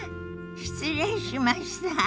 失礼しました。